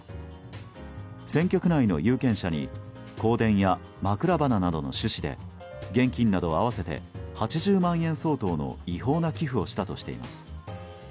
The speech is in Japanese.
選挙区内の有権者に香典や枕花などの趣旨で現金など合わせて８０万円相当の違法な寄付をしたとしています。